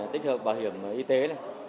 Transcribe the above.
thích hợp bảo hiểm y tế